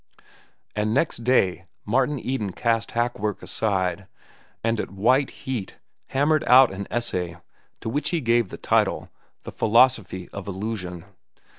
And next day Martin Eden cast hack work aside, and at white heat hammered out an essay to which he gave the title, "The Philosophy of Illusion."